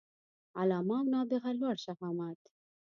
علامه او نابغه لوړ شهامت